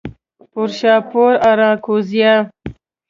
پورشاپور، آراکوزیا